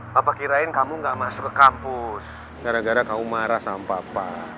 bapak kirain kamu gak masuk ke kampus gara gara kamu marah sama papa